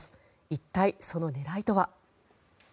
一体、その狙いとは。